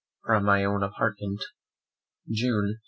From my own Apartment, June 5.